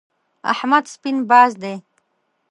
احمد سپين باز دی.